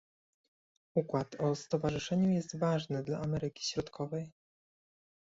Układ o stowarzyszeniu jest ważny dla Ameryki Środkowej